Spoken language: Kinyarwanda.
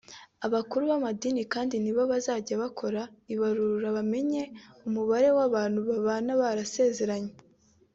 Abakuru b’amadini kandi nibo bazajya bakora ibarura bamenye umubare w’abantu babana barasezeranye